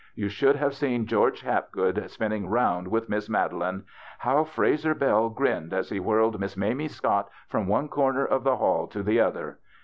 You should have seen George Hapgood spinning round with Miss Madeline! How Frazer Bell grinned as he whirled Miss Mamie Scott from one corner of the hall to the other!